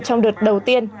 trong đợt đầu tiên